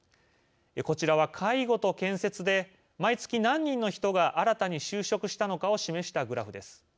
こちらは、介護と建設で毎月、何人の人が新たに就職したのかを示したグラフです。